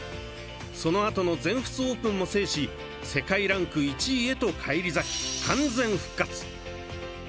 そのあとの全仏オープンも制し世界ランク１位へと返り咲き完全復活。